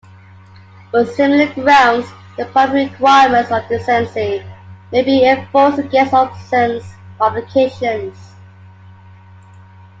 On similar grounds, the primary requirements of decency may be enforced against obscene publications.